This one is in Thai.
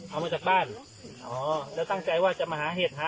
เอามาจากบ้านอ๋อแล้วตั้งใจว่าจะมาหาเห็ดหา